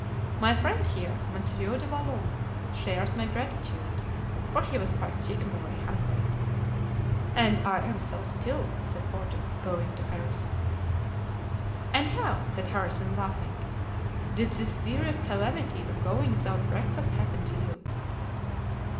My friend here, Monsieur du Vallon, shares my gratitude, for he was particularly hungry." "And I am so still," said Porthos bowing to Harrison. "And how," said Harrison, laughing, "did this serious calamity of going without breakfast happen to you?"